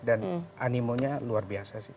dan animonya luar biasa sih